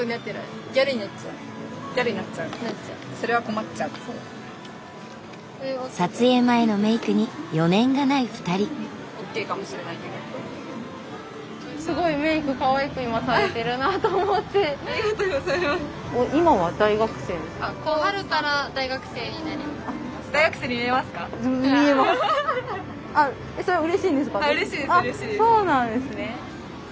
あっそうなんですね。